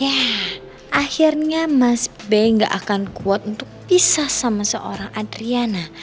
ya akhirnya mas bey gak akan kuat untuk pisah sama seorang adriana